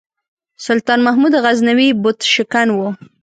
سلطان محمود غزنوي بُت شکن و.